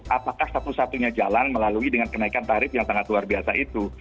apakah satu satunya jalan melalui dengan kenaikan tarif yang sangat luar biasa itu